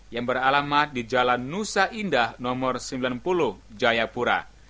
yang beralamat di jalan nusa indah nomor sembilan puluh jayapura